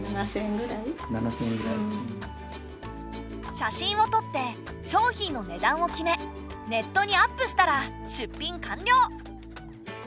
写真をとって商品の値段を決めネットにアップしたら出品完了！